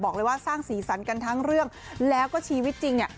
ว่าสร้างสีสันกันทั้งเรื่องแล้วก็ชีวิตจริงเนี่ย